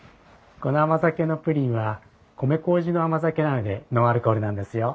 この甘酒のプリンは米麹の甘酒なのでノンアルコールなんですよ。